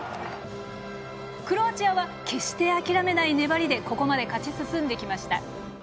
クロアチアは決して諦めない粘りでここまで勝ち進んできました。